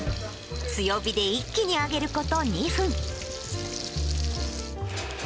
強火で一気に揚げること２分。